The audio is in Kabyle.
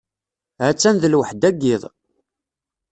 Ha-tt-an d lweḥda n yiḍ.